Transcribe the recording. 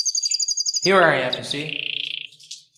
Here I am, you see!